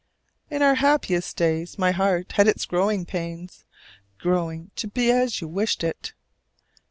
In our happiest days my heart had its growing pains, growing to be as you wished it.